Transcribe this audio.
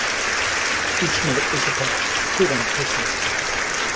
Each note is attached to one person.